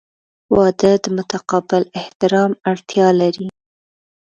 • واده د متقابل احترام اړتیا لري.